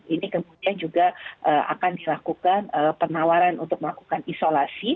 ini kemudian juga akan dilakukan penawaran untuk melakukan isolasi